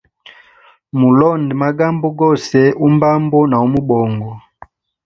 Mulonde magambo gose, umbambo na umubongo.